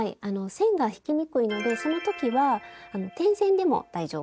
線が引きにくいのでそのときは点線でも大丈夫です。